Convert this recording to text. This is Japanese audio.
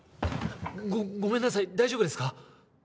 ごごめんなさい大丈夫ですか？